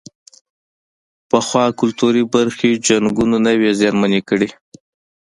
پخوا کلتوري برخې جنګونو نه وې زیانمنې کړې.